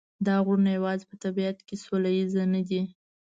دا غرونه یوازې په طبیعت کې سوله ییز نه دي.